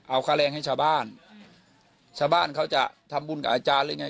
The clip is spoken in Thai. เอาค่าแรงให้ชาวบ้านชาวบ้านเขาจะทำบุญกับอาจารย์หรือไง